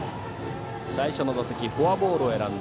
最初の打席はフォアボールを選び